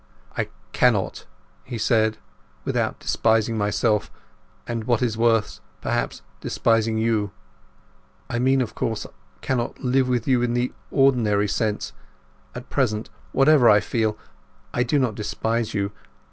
"I cannot" he said, "without despising myself, and what is worse, perhaps, despising you. I mean, of course, cannot live with you in the ordinary sense. At present, whatever I feel, I do not despise you.